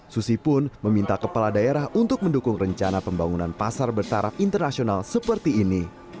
susi pun meminta kepala daerah untuk mendukung rencana pembangunan pasar bertaraf internasional seperti ini